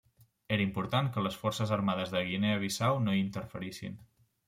Era important que les Forces Armades de Guinea Bissau no hi interferissin.